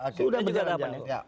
sudah berjalan jauh